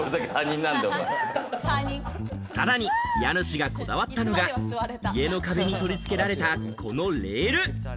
さらに家主がこだわったのが家の壁に取り付けられたこのレール。